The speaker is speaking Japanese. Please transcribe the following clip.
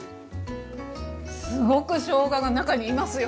すごくしょうがが中にいますよ。